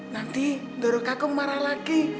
nanti dorong kaku marah lagi